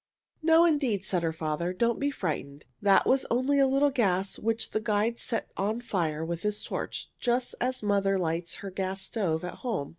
"No, indeed!" said her father. "Don't be frightened. That was only a little gas which the guide set on fire with his torch, just as mother lights her gas stove at home.